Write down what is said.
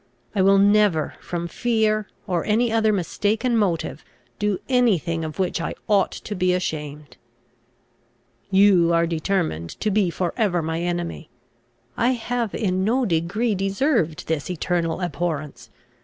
I will never from fear, or any other mistaken motive, do any thing of which I ought to be ashamed. "You are determined to be for ever my enemy. I have in no degree deserved this eternal abhorrence.